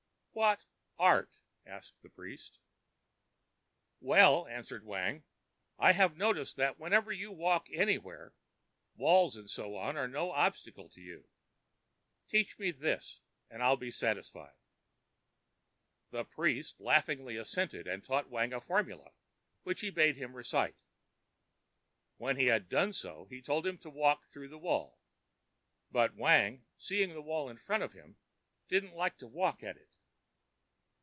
ã ãWhat art?ã asked the priest. ãWell,ã answered Wang, ãI have noticed that whenever you walk about anywhere, walls and so on are no obstacle to you. Teach me this, and Iãll be satisfied.ã The priest laughingly assented, and taught Wang a formula which he bade him recite. When he had done so he told him to walk through the wall; but Wang, seeing the wall in front of him, didnãt like to walk at it.